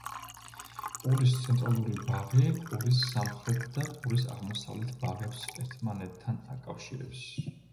ყურის ცენტრალური ბაღი ყურის სამხრეთ და ყურის აღმოსავლეთ ბაღებს ერთმანეთთან აკავშირებს.